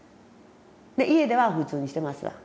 家では普通にしてますわ。